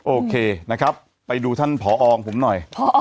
โอเคนะครับไปดูท่านผองผมหน่อย